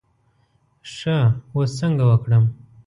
ښه اوس څنګه وکړم.